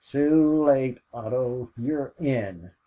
"Too late, Otto. You're in.